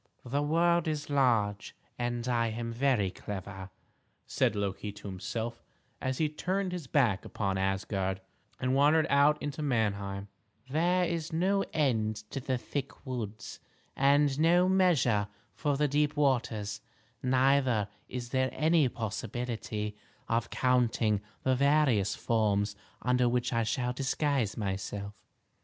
"The world is large, and I am very clever," said Loki to himself, as he turned his back upon Asgard, and wandered out into Manheim; "there is no end to the thick woods, and no measure for the deep waters; neither is there any possibility of counting the various forms under which I shall disguise myself.